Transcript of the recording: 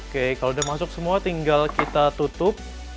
oke kalau udah masuk semua tinggal kita tutup